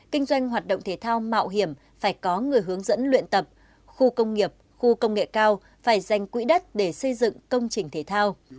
kinh doanh hoạt động thể thao mạo hiểm phải có người hướng dẫn luyện tập khu công nghiệp khu công nghệ cao phải dành quỹ đất để xây dựng công trình thể thao